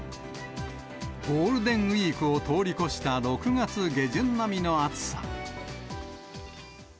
ゴールデンウィークを通り越した６月下旬並みの暑さ。